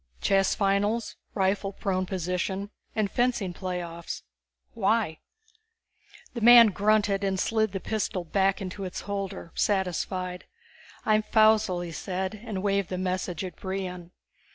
"Chess finals, rifle prone position, and fencing playoffs. Why?" The man grunted and slid the pistol back into its holder, satisfied. "I'm Faussel," he said, and waved the message at Brion.